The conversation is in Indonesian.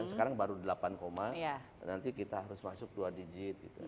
sekarang baru delapan nanti kita harus masuk dua digit gitu